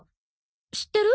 知ってる？